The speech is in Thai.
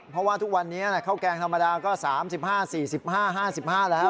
เพราะว่าทุกวันนี้ข้าวแกงธรรมดาก็๓๕๔๕๕แล้ว